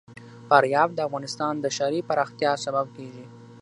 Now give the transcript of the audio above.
فاریاب د افغانستان د ښاري پراختیا سبب کېږي.